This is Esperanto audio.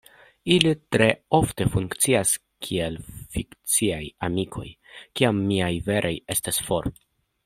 Ili tre ofte funkcias kiel fikciaj amikoj, kiam miaj veraj estas for.